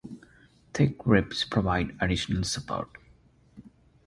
Thick ribs provide additional support.